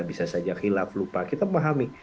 bisa saja hilaf lupa kita memahami